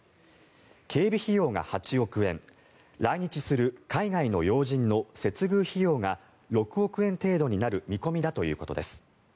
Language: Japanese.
警備費用が８億円来日する海外の要人の接遇費用が６億円程度になる見込みだということです。